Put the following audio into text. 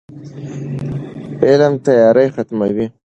علم تیارې ختموي.